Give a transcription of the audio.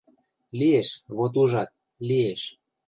— Лиэш, вот ужат — лиэш.